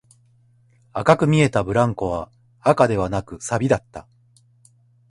赤く見えたブランコは赤ではなく、錆だった